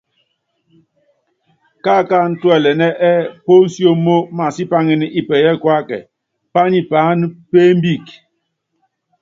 Kaákáánɛ́ tuɛlɛnɛ́ ɛ́ɛ́ pónisiómo maasipaŋínɛ Ipɛyɛ Kuákɛ, pányɛ paáná peEmbíke.